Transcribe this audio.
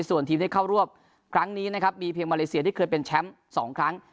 ส่วนทีมที่เข้ารวบครั้งนี้นะครับมีเพียงมาเลเซียที่เคยเป็นแชมป์๒ครั้ง